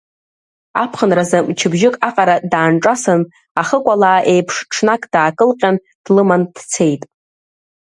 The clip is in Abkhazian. Аԥхынразы мчыбжьык аҟара даанҿасын, ахыкәалаа еиԥш ҽнак даакылҟьан, длыман дцеит…